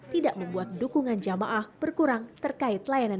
tidak membuat dukungan jamaah berkurang terkait layanan